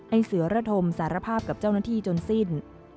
เสือระธมสารภาพกับเจ้าหน้าที่จนสิ้น